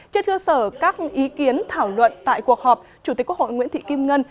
trên cơ sở các ý kiến thảo luận tại cuộc họp chủ tịch quốc hội nguyễn thị kim ngân